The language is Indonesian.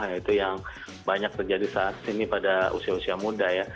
nah itu yang banyak terjadi saat ini pada usia usia muda ya